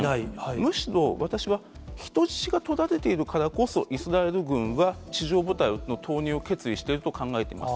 むしろ、私は人質が取られているからこそ、イスラエル軍は地上部隊の投入を決意していると考えてます。